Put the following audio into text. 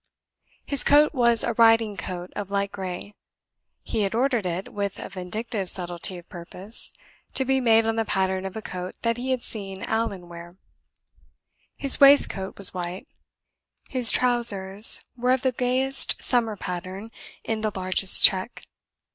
His coat was a riding coat of light gray. He had ordered it, with a vindictive subtlety of purpose, to be made on the pattern of a coat that he had seen Allan wear. His waistcoat was white; his trousers were of the gayest summer pattern, in the largest check.